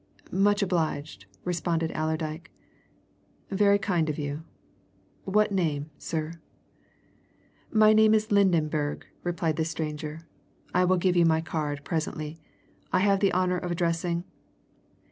"Much obliged," responded Allerdyke. "Very kind of you. What name, sir?" "My name is Lydenberg," replied the stranger. "I will give you my card presently. I have the honour of addressing